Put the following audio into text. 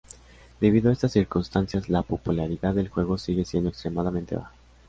Debido a estas circunstancias, la popularidad del juego sigue siendo extremadamente baja.